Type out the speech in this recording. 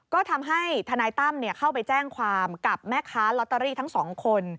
ก็ทำให้ทนายตั้มเข้าไปแจ้งความกับแม่ค้าลอตเตอรี่ทั้งสองคน